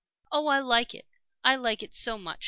"Oh, I like it! I like it so much!"